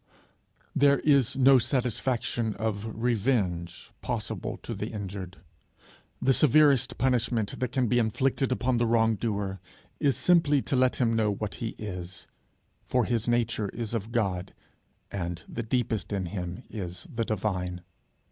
There is no satisfaction of revenge possible to the injured. The severest punishment that can be inflicted upon the wrong doer is simply to let him know what he is; for his nature is of God, and the deepest in him is the divine.